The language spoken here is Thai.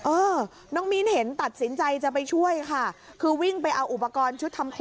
เออน้องมิ้นเห็นตัดสินใจจะไปช่วยค่ะ